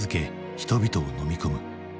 人々をのみ込む。